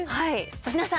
粗品さん。